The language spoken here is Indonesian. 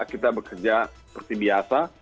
kita bekerja seperti biasa